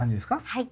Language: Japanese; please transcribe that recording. はい。